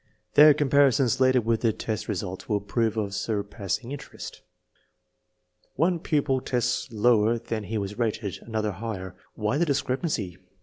Their comparison later with the test results will prove of surpassing interest. One pu pil tests lower than he was rated, another higher. Why the discrepancy?